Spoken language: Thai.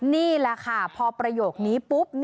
นี่แหละค่ะพอประโยคนี้ปุ๊บ